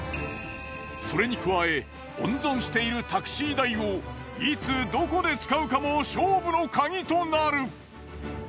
それに加え温存しているタクシー代をいつどこで使うかも勝負のカギとなる。